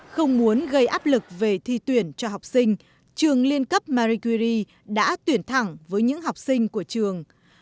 không muốn gây áp lực về thi tuyển cho học sinh trường liên cấp maricuri đã tuyển thẳng với những học sinh của trường